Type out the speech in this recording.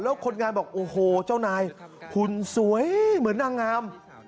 แล้วคนงานบอกโอ้โหเจ้านายหุ่นสวยเหมือนนางงาม